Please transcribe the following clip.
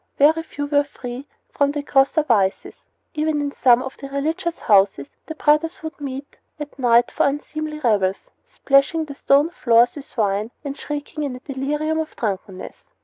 Very few were free from the grosser vices. Even in some of the religious houses the brothers would meet at night for unseemly revels, splashing the stone floors with wine and shrieking in a delirium of drunkenness.